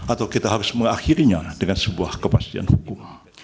atau kita harus mengakhirinya dengan sebuah kepastian hukum